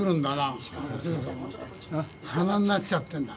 鼻なっちゃってんだ。